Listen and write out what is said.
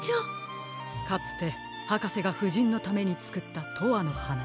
かつてはかせがふじんのためにつくった「とわのはな」。